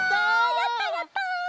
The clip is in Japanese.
やったやった！